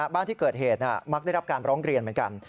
บ้านที่เกิดเหตุมักได้รับการร้องเรียนเหมือนกัน